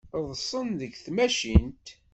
Ḍḍsen deg tmacint.